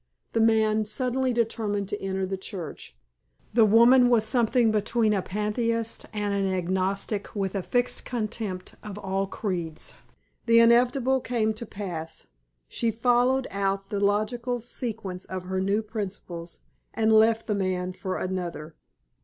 The man suddenly determined to enter the Church. The woman was something between a pantheist and an agnostic with a fixed contempt of all creeds. The inevitable came to pass. She followed out the logical sequence of her new principles, and left the man for another."